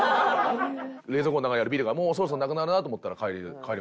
冷蔵庫の中にあるビールがもうそろそろなくなるなと思ったら帰りますし。